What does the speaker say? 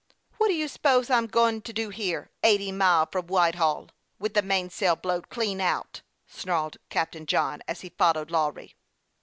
" What do you s'pose I'm goin' to do here, eighty mile from Whitehall, with the mainsail blowed clean out?" snarled Captain John, as he followed Lawry.